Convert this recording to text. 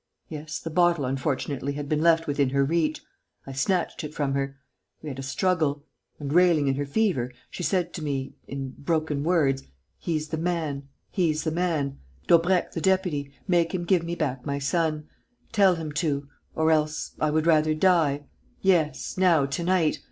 Yes; the bottle, unfortunately, had been left within her reach. I snatched it from her. We had a struggle. And, railing in her fever, she said to me, in broken words, 'He's the man.... He's the man.... Daubrecq the deputy.... Make him give me back my son. Tell him to ... or else I would rather die.... Yes, now, to night....